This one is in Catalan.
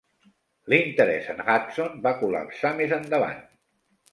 L'interès en Hudson va col·lapsar més endavant.